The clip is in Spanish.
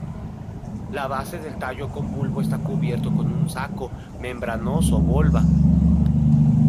La base del tallo con bulbo está cubierto con un saco membranoso volva.